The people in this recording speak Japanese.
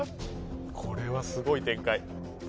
これはすごい展開